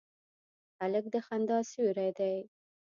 هلک د خندا سیوری دی.